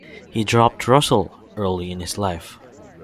He dropped "Russell" early in his life.